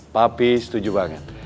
papi setuju banget